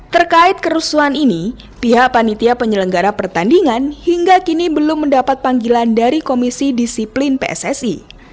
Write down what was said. terkait kerusuhan ini pihak panitia penyelenggara pertandingan hingga kini belum mendapat panggilan dari komisi disiplin pssi